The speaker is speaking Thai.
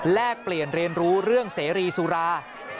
แลกเปลี่ยนเรียนรู้เรื่องเสรีสุรา